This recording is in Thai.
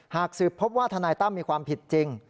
หากสืบพบว่าทนายตั้มมีความผิดจริง